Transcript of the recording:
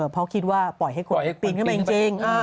เพราะคิดว่าปล่อยให้คนปีนขึ้นไปจริง